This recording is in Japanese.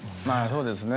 そうですね。